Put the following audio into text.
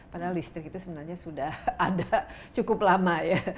padahal listrik itu sebenarnya sudah ada cukup lama ya